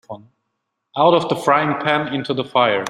Out of the frying-pan into the fire.